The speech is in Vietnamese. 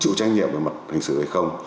chịu trách nhiệm về mặt hình sự hay không